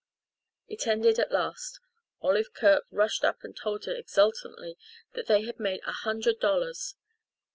It ended at last. Olive Kirk rushed up and told her exultantly that they had made a hundred dollars.